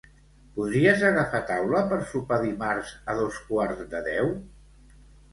Podries agafar taula per sopar dimarts a dos quarts de deu?